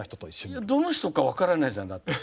どの人か分からないじゃん、だって。